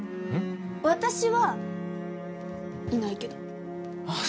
私はいないけどあっ